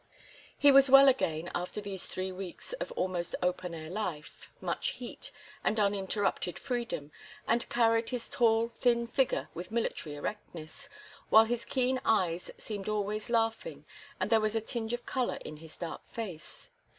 He was well again after these three weeks of almost open air life, much heat, and uninterrupted freedom, and carried his tall, thin figure with military erectness, while his keen eyes seemed always laughing and there was a tinge of color in his dark face.